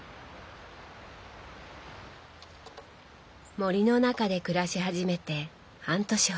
森の中で暮らし始めて半年ほど。